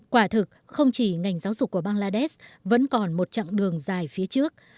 quả thực không chỉ ngành giáo dục của bằng lades vẫn còn một chặng đường dài phía trước